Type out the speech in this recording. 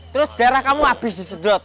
terus darah kamu habis disedot